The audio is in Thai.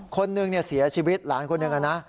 คนหนึ่งเสียชีวิตหลานคนหนึ่งนะ